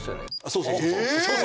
そうそうそうそう！